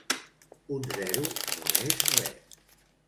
Un zero no és res.